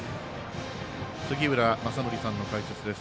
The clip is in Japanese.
杉浦正則さんの解説です。